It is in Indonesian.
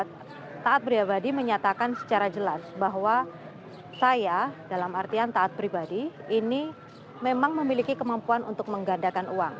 taat pribadi menyatakan secara jelas bahwa saya dalam artian taat pribadi ini memang memiliki kemampuan untuk menggandakan uang